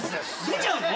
出ちゃうの？